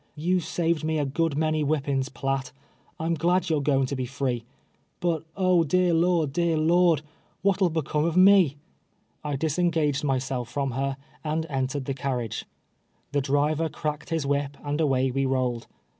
You've saved me a good many whip])ins, Piatt ; Pm glad you're g(»in' to be ^yqq — but oh! de Loj"d, de Lord! what'll become of me?" I disengaged myself from her, and entered the carriage. The driver cracked his whip and away we rolled.